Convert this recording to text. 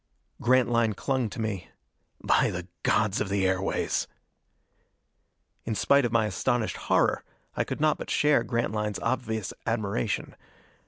Grantline clung to me. "By the gods of the airways!" In spite of my astonished horror I could not but share Grantline's obvious admiration.